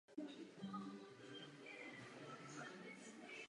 Nyní bych přešel k otázce Turecka.